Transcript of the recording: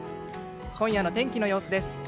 今夜の天気の予想です。